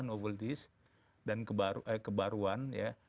novelties dan kebaruan